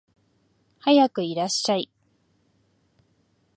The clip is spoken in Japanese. はやくいらっしゃい